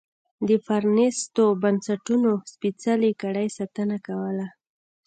د پرانیستو بنسټونو سپېڅلې کړۍ ساتنه کوله.